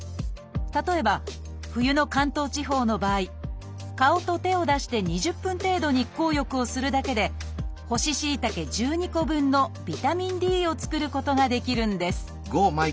例えば冬の関東地方の場合顔と手を出して２０分程度日光浴をするだけで干ししいたけ１２個分のビタミンＤを作ることができるんです